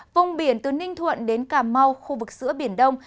vùng biển từ ninh thuận đến cà mau khu vực giữa biển đông